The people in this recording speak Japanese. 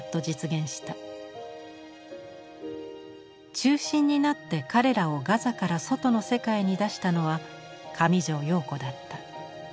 中心になって彼らをガザから外の世界に出したのは上條陽子だった。